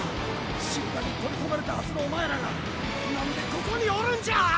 集団に取り込まれたはずのおまえらが何でここにおるんじゃ！